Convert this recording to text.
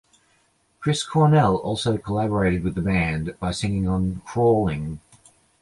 Chris Cornell also collaborated with the band by singing on "Crawling".